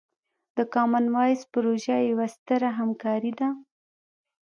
د کامن وایس پروژه یوه ستره همکارۍ ده.